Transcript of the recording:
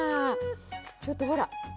ちょっとほら！